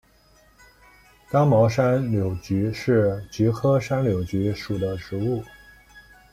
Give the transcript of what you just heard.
刚毛山柳菊是菊科山柳菊属的植物。